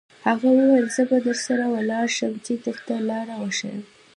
هغه وویل: زه به درسره ولاړ شم، چې درته لار وښیم.